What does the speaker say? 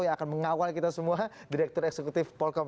yang akan mengawal kita semua direktur eksekutif polkom